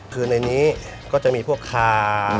คือในนี้ก็จะมีพวกคา